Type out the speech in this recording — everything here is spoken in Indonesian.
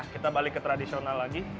kita balik ke tradisional lagi